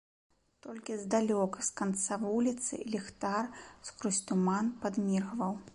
Толькі здалёк, з канца вуліцы, ліхтар скрозь туман падміргваў.